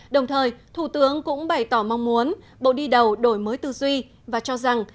đồng thời thủ tướng cũng bày tỏ mong muốn bộ đi đầu đổi mới tư duy và cho rằng